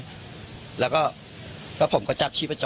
อยู่นะรู้สึกว่าถ้ามีโอกาส